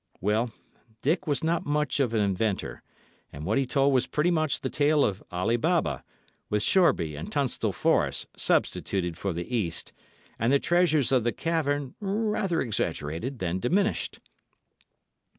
Well, Dick was not much of an inventor, and what he told was pretty much the tale of Ali Baba, with Shoreby and Tunstall Forest substituted for the East, and the treasures of the cavern rather exaggerated than diminished.